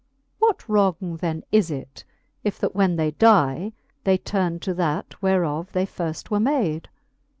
What wrong then is it, if that when they die. They turne to that, whereof they firft were made